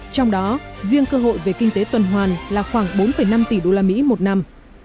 trong đó riêng cơ hội về kinh tế tuần hoàn là khoảng bốn năm tỷ đô la mỹ một năm